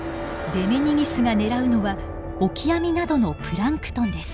デメニギスが狙うのはオキアミなどのプランクトンです。